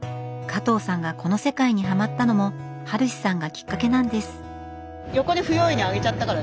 加藤さんがこの世界にハマったのも晴史さんがきっかけなんです。